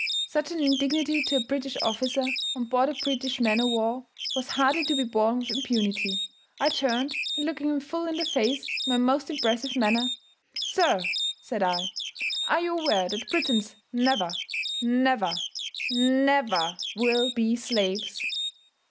Such an indignity to a British officer, on board a British man o' war, was hardly to be borne with impunity. I turned, and looking him full in the face in my most impressive manner "Sir," said I, "are you aware that Britons never, never, NEVER will be slaves?"